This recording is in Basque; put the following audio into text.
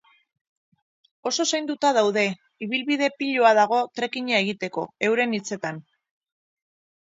Oso zainduta daude, ibilbide piloa dago trekking-a egiteko, euren hitzetan.